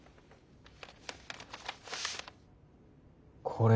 これ。